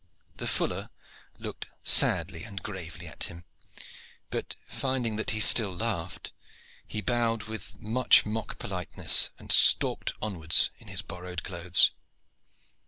The fuller looked sadly and gravely at him; but finding that he still laughed, he bowed with much mock politeness and stalked onwards in his borrowed clothes.